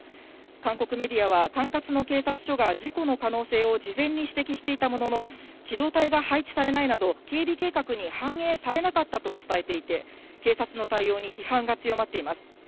韓国メディアは、管轄の警察署が事故の可能性を事前に指摘していたものの、機動隊が配置されないなど、警備計画に反映されなかったと伝えていて、警察の対応に批判が強まっています。